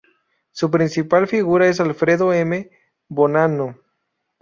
Su principal figura es Alfredo M. Bonanno.